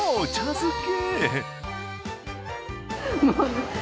漬け。